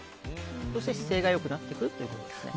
そして姿勢がよくなってくるということですね。